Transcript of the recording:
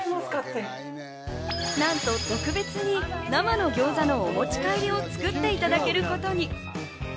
なんと特別に生のギョーザのお持ち帰りを作っていただけることに。